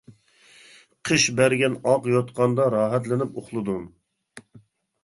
قىش بەرگەن ئاق يۇتقاندا، راھەتلىنىپ ئۇخلىدىم.